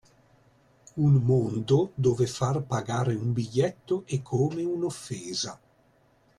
Un mondo dove far pagare un biglietto è come un’offesa